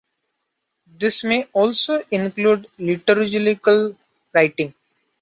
This may also include liturgical writing.